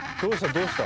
どうした？